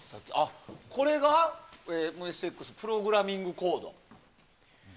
これがＭＳＸプログラミングコードと。